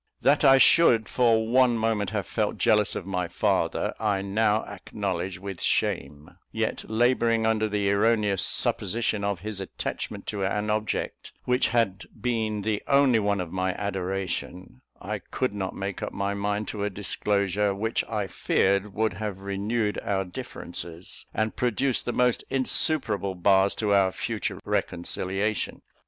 That I should for one moment have felt jealous of my father, I now acknowledge with shame: yet labouring under the erroneous supposition of his attachment to an object which had been the only one of my adoration, I could not make up my mind to a disclosure, which I feared would have renewed our differences, and produced the most insuperable bars to our future reconciliation.